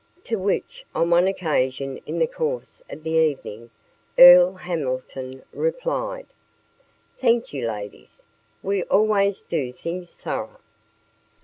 To which, on one occasion in the course of the evening, Earl Hamilton replied: "Thank you, ladies; we always do things thorough."